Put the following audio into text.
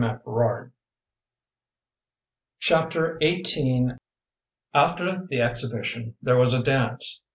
Chapter XVIII After the exhibition there was a dance.